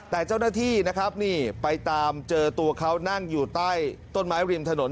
แต่เจ้าหน้าที่นะครับนี่ไปตามเจอตัวเขานั่งอยู่ใต้ต้นไม้ริมถนน